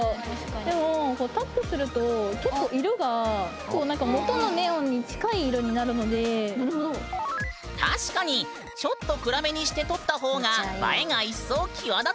でも結構色が確かにちょっと暗めにして撮った方が映えが一層際立つね！